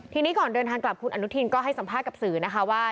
ทีนี้ก่อนเดินทางกลับคุณอนุทินก็ให้สัมภาษณ์กับสื่อนะคะว่า